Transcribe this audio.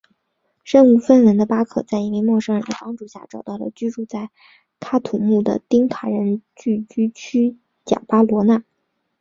身无分文的巴克在一位陌生人的帮助下找到了居住在喀土穆的丁卡人聚居区贾巴罗纳。